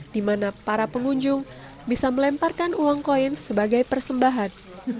di mana para pengunjung bisa melemparkan uang koin sebagai persembahan